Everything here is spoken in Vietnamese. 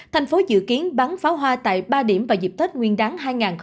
thành phố dự kiến bắn pháo hoa tại ba điểm vào dịp tết nguyên đáng hai nghìn hai mươi bốn